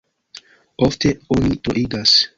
Ofte oni troigas.